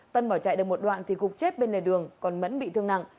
tân bỏ chạy được một đoạn thì gục chết bên lề đường còn mẫn bị thương nặng